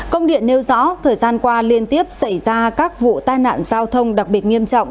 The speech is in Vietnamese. công điện nêu rõ thời gian qua liên tiếp xảy ra các vụ tai nạn giao thông đặc biệt nghiêm trọng